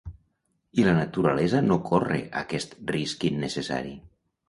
I la naturalesa no corre aquest risc innecessari.